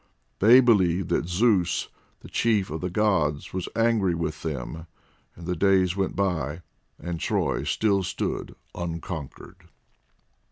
They believed that Zeus, the chief of the Gods, was angry with them, and the days went by, and Troy still stood unconquered.